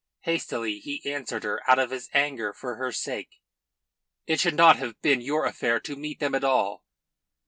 Hastily he answered her out of his anger for her sake: "It should not have been your affair to meet them at all."